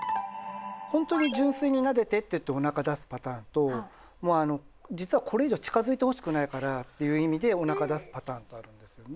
本当に純粋になでてっておなか出すパターンともうあの実はこれ以上近づいてほしくないからという意味でおなか出すパターンとあるんですね。